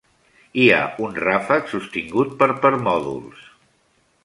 Hi ha un ràfec sostingut per permòdols.